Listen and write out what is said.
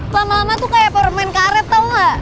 lama lama tuh kayak power man karet tau gak